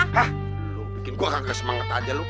hah lo bikin gue kagak semangat aja lo